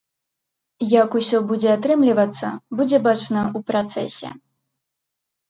Як усё будзе атрымлівацца, будзе бачна ў працэсе.